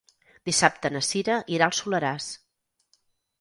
Dissabte na Cira irà al Soleràs.